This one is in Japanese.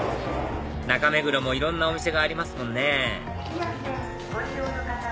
中目黒もいろんなお店がありますもんね